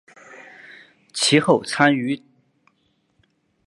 其后参与藤原纯友谋反后的余党平定工作。